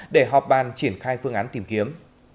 để họp bàn triển khai phương án tìm kiếm